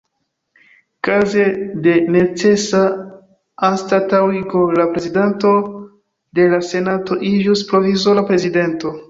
Kaze de necesa anstataŭigo la Prezidento de la Senato iĝus Provizora Prezidento.